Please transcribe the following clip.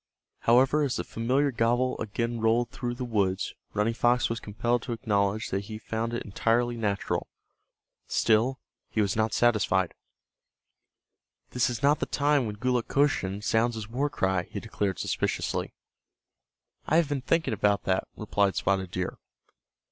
However, as the familiar gobble again rolled through the woods Running Fox was compelled to acknowledge that he found it entirely natural. Still he was not satisfied. "This is not the time when Gulukochsun sounds his war cry," he declared, suspiciously. "I have been thinking about that," replied Spotted Deer.